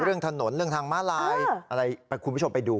เรื่องถนนเรื่องทางม้าลายอะไรคุณผู้ชมไปดู